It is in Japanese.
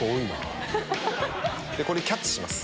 でこれキャッチします。